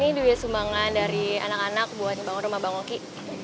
ini juga sumbangan dari anak anak buat rumah bang oki